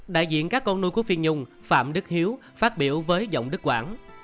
đại diện các con nuôi của phiên nhung phạm đức hiếu phát biểu với giọng đức quảng